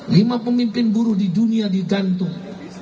lima pemimpin buruh di dunia digantung